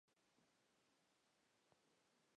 La Presidenta Sra.